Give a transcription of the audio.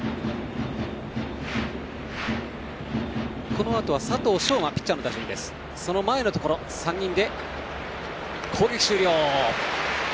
このあとはピッチャー佐藤奨真の打順でしたがその前のところ、３人で攻撃終了。